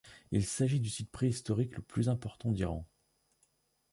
Il s'agit du site préhistorique le plus important d'Iran.